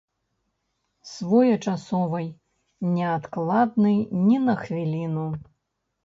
Своечасовай, неадкладнай ні на хвіліну.